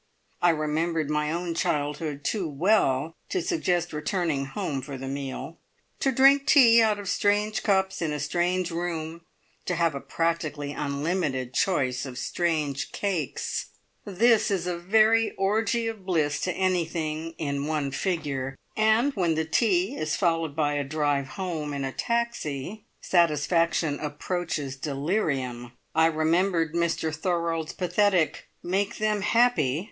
I remembered my own childhood too well to suggest returning home for the meal. To drink tea out of strange cups, in a strange room, to have a practically unlimited choice of strange cakes this is a very orgie of bliss to anything "in one figure," and when the tea is followed by a drive home in a taxi, satisfaction approaches delirium. I remembered Mr Thorold's pathetic "Make them happy!"